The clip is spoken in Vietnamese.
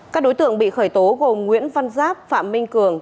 các đối tượng bị khởi tố gồm nguyễn văn giáp phạm minh cường